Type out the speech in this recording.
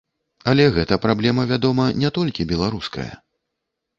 Але гэта праблема, вядома, не толькі беларуская.